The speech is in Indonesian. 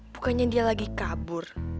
bukannya dia lagi kabur